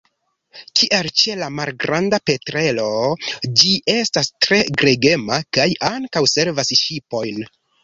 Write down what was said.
Kiel ĉe la Malgranda petrelo, ĝi estas tre gregema, kaj ankaŭ sekvas ŝipojn.